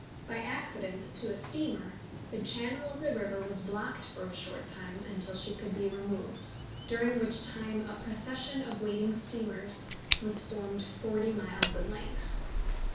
By an accident to a steamer, the channel of the river was blocked for a short time, until she could be removed, during which time a procession of waiting steamers was formed forty miles in length.